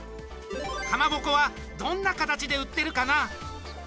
かまぼこはどんな形で売ってるかな？